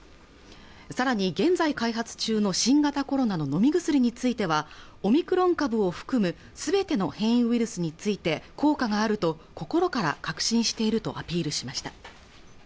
さらに現在開発中の新型コロナの飲み薬についてはオミクロン株を含むすべての変異ウイルスについて効果があると心から確信しているとアピールしました